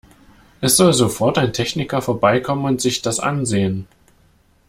Es soll sofort ein Techniker vorbeikommen und sich das ansehen!